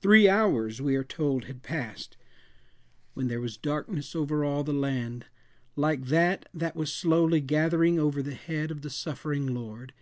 Three hours we are told had passed, when there was darkness over all the land, like that that was slowly gathering over the head of the suffering Lord.